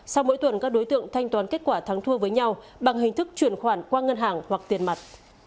sau mỗi tuần các đối tượng thanh toán kết quả thắng thua với nhau bằng hình thức chuyển khoản qua ngân hàng hoặc tiền mặt